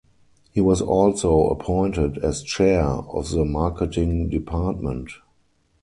He was also appointed as Chair of the Marketing Department.